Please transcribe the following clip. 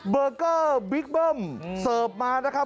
เบอร์เกอร์บิ๊กเบิ้มเสิร์ฟมานะครับ